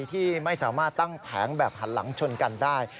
ที่ไม่สามารถตั้งแผงแบบหันหลังชนกันได้